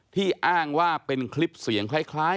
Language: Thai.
อ้างว่าเป็นคลิปเสียงคล้าย